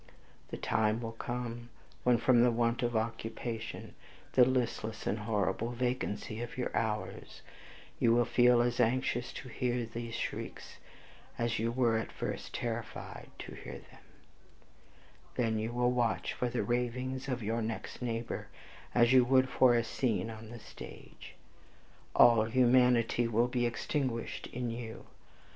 The time will come, when, from the want of occupation, the listless and horrible vacancy of your hours, you will feel as anxious to hear those shrieks, as you were at first terrified to hear them, when you will watch for the ravings of your next neighbor, as you would for a scene on the stage. All humanity will be extinguished in you.